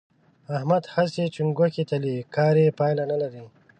احمد هسې چنګوښې تلي؛ کار يې پايله نه لري.